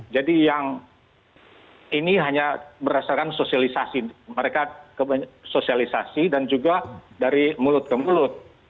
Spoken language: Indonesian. jadi yang ini hanya berdasarkan sosialisasi mereka sosialisasi dan juga dari mulut ke mulut